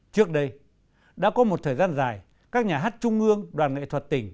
trước đây đã có một thời gian dài các nhà hát trung ương đoàn nghệ thuật tỉnh